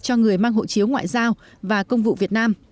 cho người mang hộ chiếu ngoại giao và công vụ việt nam